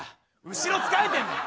後ろつかえてんだよ！